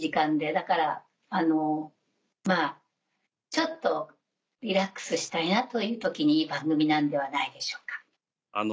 だからちょっとリラックスしたいなという時にいい番組なんではないでしょうか。